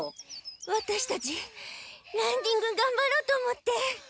ワタシたちランニングがんばろうと思って。